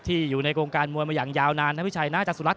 อยู่ในวงการมวยมาอย่างยาวนานนะพี่ชัยนะจตุรัส